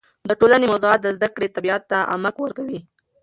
د ټولنې موضوعات د زده کړې طبیعت ته عمق ورکوي.